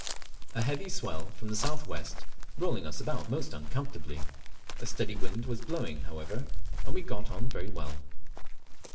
A heavy swell from the south west rolling us about most uncomfortably. A steady wind was blowing however, and we got on very well.